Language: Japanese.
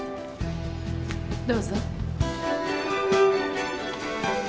どうぞ。